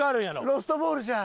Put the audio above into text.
ロストボールじゃ。